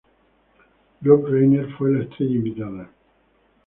Rob Reiner fue la estrella invitada.